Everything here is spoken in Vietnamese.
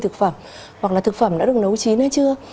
thực phẩm hoặc là thực phẩm đã được nấu chín hay chưa